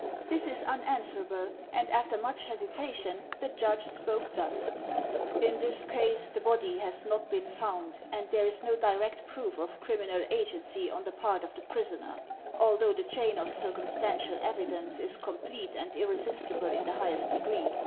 This is unanswerable and after much hesitation the judge spoke thus: "In this case the body has not been foimd and there is no direct proof of criminal agency on the part of the prisoner, although the chain of circumstantial evidence is complete and irresistible in the highest degree.